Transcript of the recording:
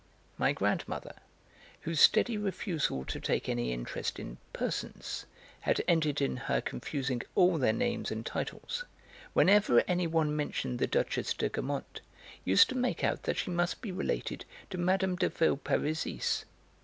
(My grandmother, whose steady refusal to take any interest in 'persons' had ended in her confusing all their names and titles, whenever anyone mentioned the Duchesse de Guermantes used to make out that she must be related to Mme. de Villeparisis.